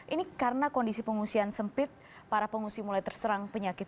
ini karena kondisi pengungsian sempit para pengungsi mulai terserang penyakit